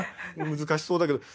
難しそうだけど。